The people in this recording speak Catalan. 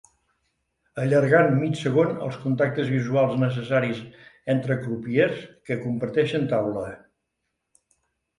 Allargant mig segon els contactes visuals necessaris entre crupiers que comparteixen taula.